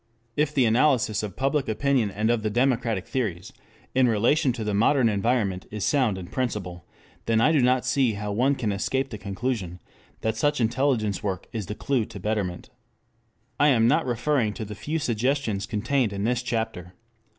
If the analysis of public opinion and of the democratic theories in relation to the modern environment is sound in principle, then I do not see how one can escape the conclusion that such intelligence work is the clue to betterment. I am not referring to the few suggestions contained in this chapter.